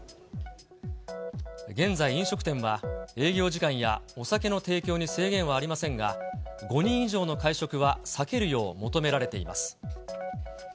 現在、飲食店は営業時間やお酒の提供に制限はありませんが、５人以上の会食は避けるよう求められています。